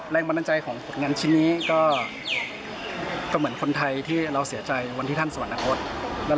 แรงบันใจของการฝุดกัดที่นั้นก็เหมือนคนไทยที่เราเสียใจวันที่ท่านมีสังคมสวนบุญ